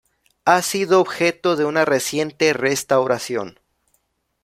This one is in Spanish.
Ha sido objeto de una reciente restauración.